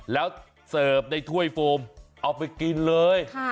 แล้วเสิร์ฟในถ้วยโฟมเอาไปกินเลย